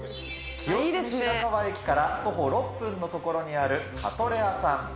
清澄白河駅から徒歩６分の所にあるカトレアさん。